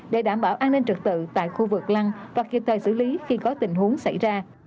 để đảm bảo an ninh trực tự tại khu vực lăng và kịp thời xử lý khi có tình huống xảy ra